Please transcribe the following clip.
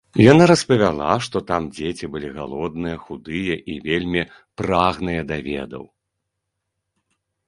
Яна распавяла, што там дзеці былі галодныя, худыя і вельмі прагныя да ведаў.